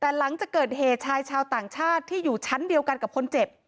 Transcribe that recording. แต่หลังจากเกิดเหตุชายชาวต่างชาติที่อยู่ชั้นเดียวกันกับคนเจ็บ